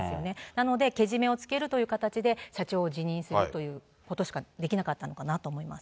なので、けじめをつけるという形で、社長を辞任することしかできなかったのかなと思います。